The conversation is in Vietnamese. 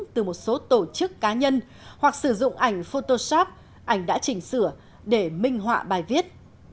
từ một số tổ chức cá nhân hoặc sử dụng ảnh photoshop ảnh đã chỉnh sửa để minh họa bài viết